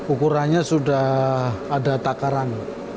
ukurannya sudah ada takaran